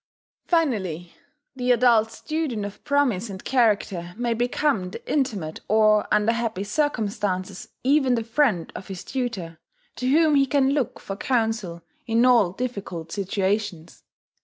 Finally, the adult student of promise and character may become the intimate, or, under happy circumstances, even the friend of his tutor, to whom he can look for counsel in all difficult situations.